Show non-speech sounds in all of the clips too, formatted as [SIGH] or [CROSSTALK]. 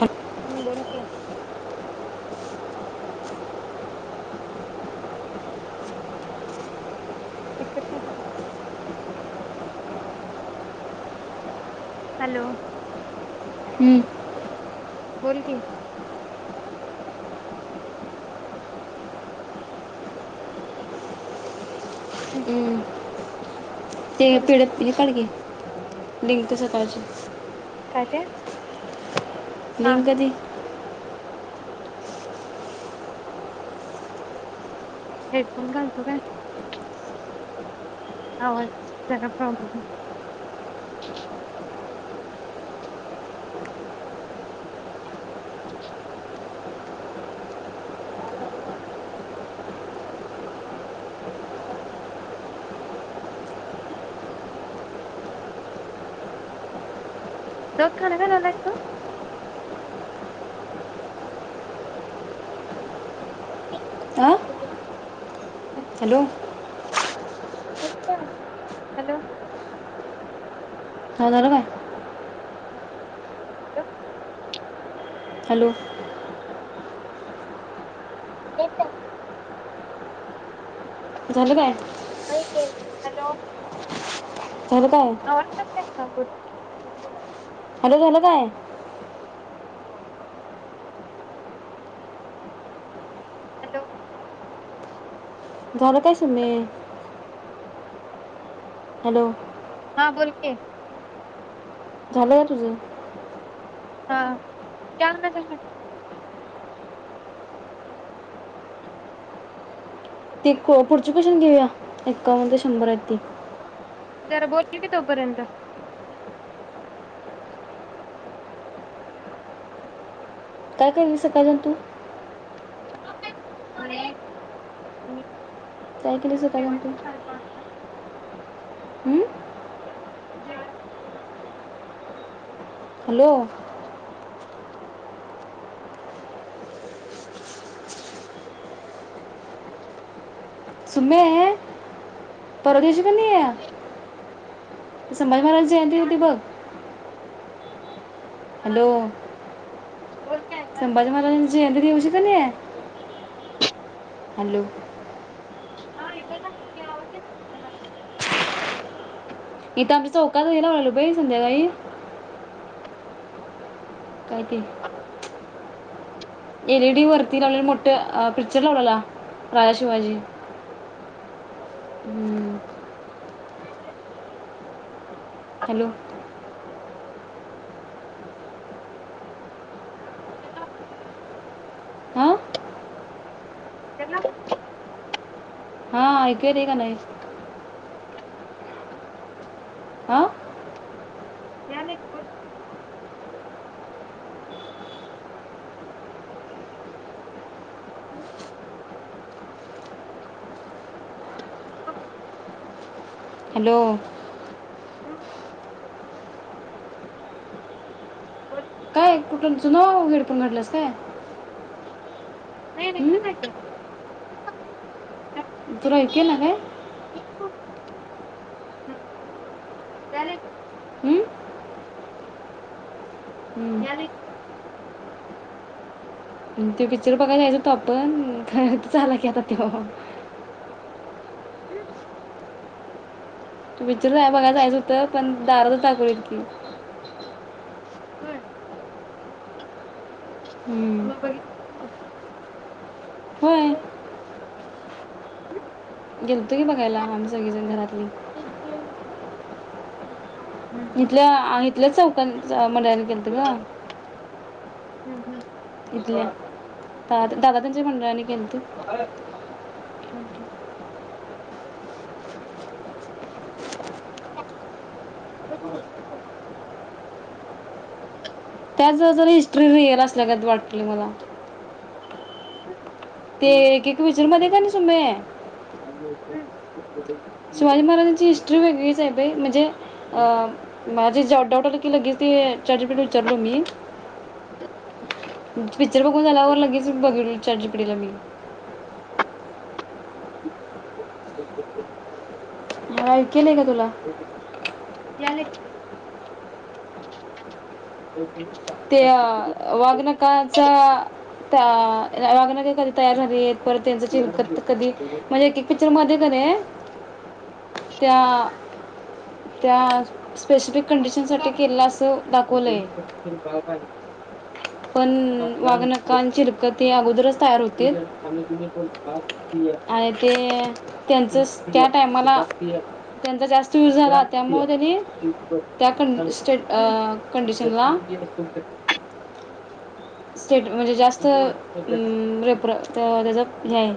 हट हम्म बोल की [UNINTELLIGIBLE] हॅलो हम्म बोल की हम्म ते तेवढं हे काढ की, अजून नाही. लिंक सार पाजे काय ते हा लिंक ती हेडफोन घालतो काय आवाज जरा प्रॉब्लेम रत खाना का झालास तू? ये हा अ [INAUDIBLE] हॅलो हॅलो हा झालं काय [UNINTELLIGIBLE] हॅलो एट झालं काय? हॅलो झालं काय [UNINTELLIGIBLE] हॅलो झालं काय? हॅलो झालं काय सुमे हॅलो हा बोल की, झालंय तुझं? हा त्यानंतर ती को पुढची क्वेशन घेऊया एकावन ते शंभर आहेत ती जरा बोल कि तोपर्यंत काय केली सकाळरधन तु? [UNINTELLIGIBLE] हम्म [UNINTELLIGIBLE] मी काय केली सकाळधन जेवायच तु? करालतो आता हम्म [INAUDIBLE] जेवाय हॅलो... सुमे परवादेशी कनी [INAUDIBLE] संभा जयंती होती बघ [UNINTELLIGIBLE] हॅलो बोल.. की ऐकायला संभाजी महाराजाची जयंती दिवशी कने हॅलो हा ऐकू येतोय का? [UNINTELLIGIBLE] आवाज येत [UNINTELLIGIBLE] इथं आम्ही चौ काल वेळान आलो बाई संध्याकाळी काय ते [INAUDIBLE] एल ई डी वरती लागलेली मोठ पिक्चर लावलेला राजा शिवाजी नाही. हम्म [UNINTELLIGIBLE] हॅलो [UNINTELLIGIBLE] हां त्यांना हा ऐकू येतंय का नाही? आ यायल कि बोल [INAUDIBLE] हॅलो. काय कुठुन जुना हे हेडफोन घातलास काय? नाही नाही हं? निघायचं. तुला ऐकू येईना काय? ये थांब. [UNINTELLIGIBLE] हं? हं. यालय की! ते [UNINTELLIGIBLE] बघायला यायचं होत आपण. खरचं आला की आता त्यो! तू पिछर जाया बघाय जायचं होतं पण दरातच दाखवीन की व्हय! हं. म बघित होय चय [UNINTELLIGIBLE] गेलतो की बघायला आम्ही सगळीजण घरातली हम् [UNINTELLIGIBLE] इथल्या आहेत [UNINTELLIGIBLE] चौकांचा मंडळानं केलंतं गं. हम्म हम्म! इथल्या दादा त्यांच्या मंडळांनी [UNINTELLIGIBLE] हम्म हम्म! [UNINTELLIGIBLE] त्याज ज जरा हिस्ट्री रियल असल्यागत वाटली मला [UNINTELLIGIBLE] ते येक येक विचर् मध्ये कनी सुमे [UNINTELLIGIBLE] शिवाजी महाराजांची हिस्ट्री वेगळीच हाय बाई म्हणजे अ मला जे डाऊट डाऊट आलं की लगेच ते चाट जी पी टी ला विचारलो मी पिक्चर बघून झाल्यावर लगेच मी बघितलं चाट जिपिटी ला मी हा ऐकलय का तुला? यालय का ते वागनकाचा त्या [UNINTELLIGIBLE] कधी तयार झालेत? परत त्यांचं चिलकत कधी म्हणजे एक एक पिच्चर मध्ये कने त्या-त्या-स स्पेसिफिक कंडिशनसाठी केलेलं असं दाखवलंय पण वाघनख आणि चिलखती अगोद ती ज्या वेळेस पाणी पितेत पण फार आणि ते त्यांचच त्या टाइमाला त्यांच जास्त यूज झाला त्यामुळे त्यानी त्या तूं स्टे अ कंडिशनला स्टेट म्हणजे जास्त अम्म रेपर त्या तेच्यात नाही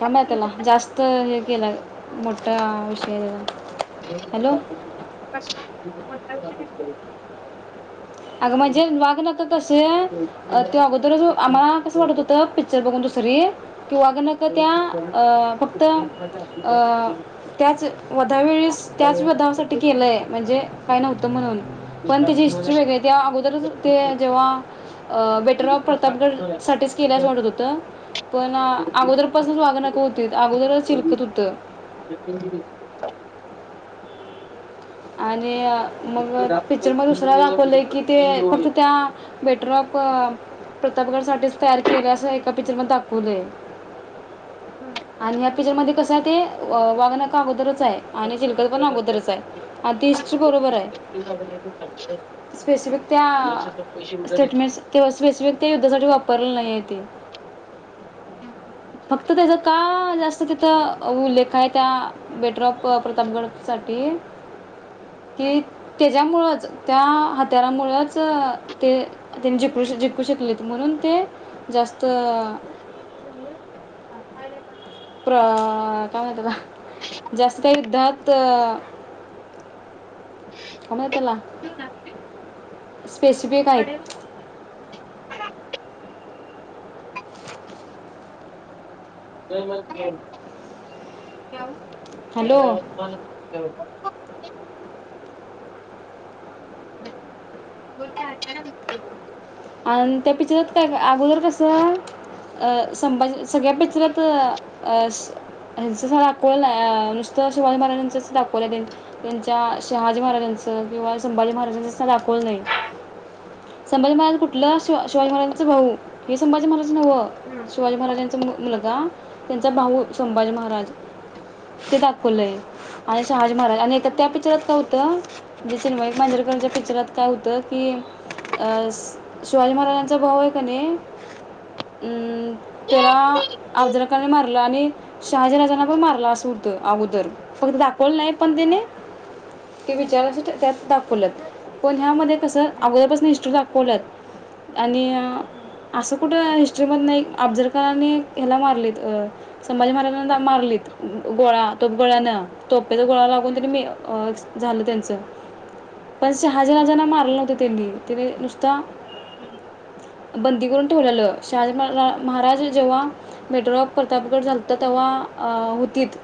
काम हाहे त्याला जास्त हे केलाय मोठा शर [INAUDIBLE] कशा [INAUDIBLE] अगं म्हणजे वाघ नख कसे अ ते अगोदरच आमला कसं वाटत होतं पिक्चर बघून दुस स्त्री की वाघ नख त्या अ फक्त अ त्याच वधा वेळीस त्याच वधासाठी पैसे केलंय म्हणजे काय नव्हत म्हणून पण त्याची हिस्ट्री वेगळी आहे तेव्हा अगोदरच ते जेव्हा अ बेटर ऑफ प्रतापगड साठीच केलय असच वाटत होत, पण अगोदरपासूनच वाघ नख होतीत, अगोदरच चिलकत होत आणि हे अ मग पिक्चर म दुसऱ्या दाखवलंय की ते फक्त त्या बेटर ऑफ अ प्रतापगडसाठीच तयार केल्या असं एक त्या पिक्चरमध्ये दाखवलय आणि ह्या पिक्चरमध्ये कसा ते अ वागन अगोदरच आहे आणि चिलकत पण अगोदरच आहे आणि ती हिस्ट्री बरोबर आहे स्पेसिफिक त्या स्टेटमिस किंवा स्पेसिफिक त्या युद्धासाठी वापरलं नाहीये ते फक्त त्याच का जास्त तिथं उल्लेख काय त्या बेड्रॉप प प्रतापगड सा ती के ते त्यामुळंच त्या हात्यारामुळंच अं ते त्यांनी जिकू श जिकू शकलेत म्हणून ते जास्त अ हा [INAUDIBLE] अ काय म्हणत बा जास्त त्या युद्धात कोम येतेला स्पेसिफिक आहेत तळमळ खे हॅलो काय [INAUDIBLE] [UNINTELLIGIBLE] अन त्या पिक्चरात काय? अगोदर कसं सगळ्या पिक्चरात आ ह्यांच नुसतं असं शिवाजी महाराजांचं दाखवलं त्यांचा शहाजी महाराजांचं किंवा संभाजी महाराजांचं दाखवलं नाही संभाजी महाराज ला शिवा शिवाजी महाराजांचा भाऊ हे संभाजी महाराज नवं शिवाजी महाराजांचा मुलगा त्यांचा भाऊ संभाजी महाराज ते दाखवलंय आणि शहाजी महाराज आणि एता त्या पिक्चरात काय हुतं दिस ते महेश उधारच मांजरेकरांच्या पिचरात काय हुतं की अस शिवाजी महाराजांचा भाऊ आहे कणी, अं हा. त्याला अफजलखाना मारल आणि शहाजीराजांना पण मारला असू त अगोदर फक्त दा कोण नाही पण त्याने ते विचार अस त्यात दाखवल्यात पण ह्यामध्ये कसं हम्म. अगोदरपसन हिस्ट्री दाखवलत आणि असं कुठ त्या हिस्ट्रीमधन एक अफझलखानी ह्याला मारलेत अ संभाजी महाराजांना मारलेत गोळा तोप गळ्यान तोप्यात गोळा लागून तरी मी अ झालं त्यांचं पण शहाजी राजांना मारल नव्हतं त्यांनी तेनी नुसता हम्म बंदी करून ठेवल्यालं शहाजी महारा महाराज जेव्हा मेट्रो खोल ताप गड झालता तेव्हा तिथ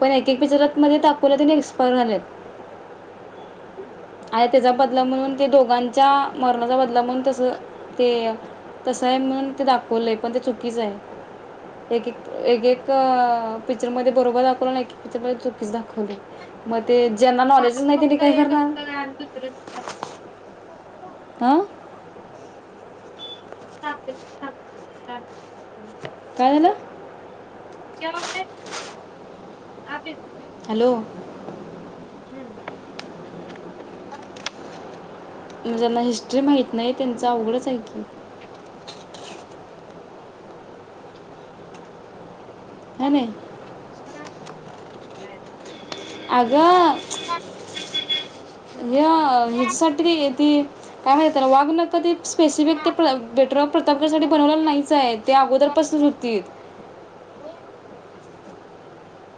पण एक एक पिक्चरात मध्ये दाखवलं एक्सपायर झाले आणि त्याचा बदला म्हणून, ते दोघांच्या मरणाचा बदला म्हणून तस ते तस आहे म्हणून ते दाखवलंय पण ते चुकीच आहे एक एक एक एक पिक्चरांमध्ये बरोबर दाखवलय पण एकेक पिक्चर मदे चुकीच दाखवलय मद आपण फक्त एकच होत का आणि दुसर होत आ ताकीत हवीत काल हं काय झालं खरच खरच चाओ पे आता य हॅलो हम्म ह ज्यांना हिस्ट्री माहित नाही त्याचं अवघडच आहे की है नाही पुस्तक नाही अगं य यांच्यासाठी ती काय माहित त्याला वागण कधी स्पेसिफिक ते बेटरॉ प्रतापसाठी बनवलेलं नाहीच हाय ते अगोदर पासूनच होती.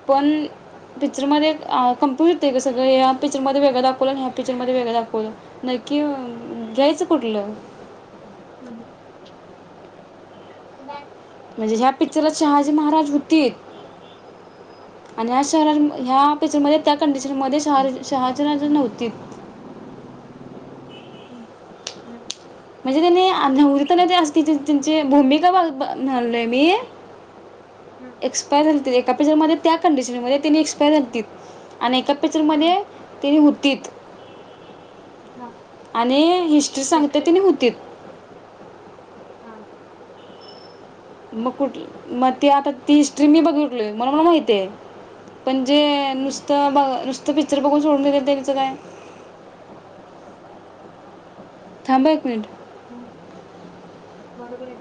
पण पिक्चरमध्ये आ कनफ्युज होतंय ग सगळं या पिक्चरमध्ये वेगळं दाखवलं ह्या पिक्चर मध्ये वेगळं दाखवल. नक्की येवून घ्यायचं. फुटलं कुठ हाय. म्हणजे ह्या पिक्चरात शहाजी महाराज होतीत आणि कारण ह्या पिक्चरमधे त्या कंडीशन पिक्चर मध्ये शहा शहाजीराजे नव्हतीत. [INAUDIBLE] म्हणजे त्यांनी आणि नवरी तेंन हा ते असतेतच की त्यांचे भूमिका -बघ म्हणलोय मी एक्सपायर झाल ते एक हॉस्पिटल मधे त्या कंडिशन मधे तेनी एक्सपायर झालतीत. आणि एका पिक्चरमध्ये तेनी हू तित हा आणि हिस्ट्री सांगत्यात तेनी हूतीत हा मग कुठल मग ते आता ती हिस्ट्री मी बागीतलोय म्हणून मला माहित आहे पणजे हं, नुसतं बघ नुसत तो पिक्चर बघून सोडून दिले त्यांच काय? थांबा एक मिनिट! हम्म बरोबर हाय